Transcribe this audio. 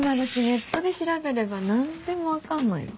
ネットで調べれば何でも分かるのよ。